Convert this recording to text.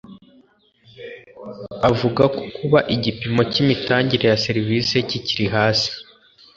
avuga ko kuba igipimo cy’imitangire ya serivisi kikiri hasi